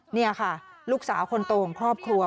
นี่ค่ะลูกสาวคนโตของครอบครัว